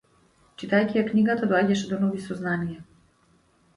Читајќи ја книгата доаѓаше до нови сознанија.